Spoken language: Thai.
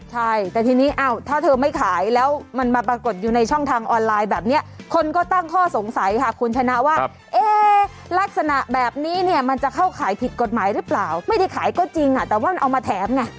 ใช่แต่ทีนี้ถ้าเธอไม่ขายแล้วมันมาปรากฏอยู่ในช่องทางออนไลน์แบบนี้คนก็ตั้งข้อสงสัยค่ะคุณชนะว่าเอ๊ะลักษณะแบบนี้เนี่ยมันจะเข้าขายผิดกฎหมายหรือเปล่าไม่ได้ขายก็จริงแต่ว่ามันเอามาแถมไง